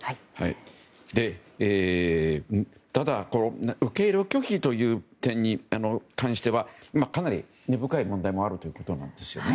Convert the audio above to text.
ただ受け入れ拒否という点に関してはかなり根深い問題もあるということなんですよね。